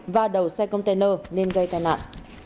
và đầu xe container nên gây tên nạn